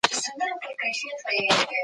ساینس د ستونزو د حل لارې مومي.